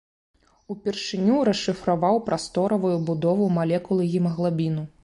Упершыню расшыфраваў прасторавую будову малекулы гемаглабіну.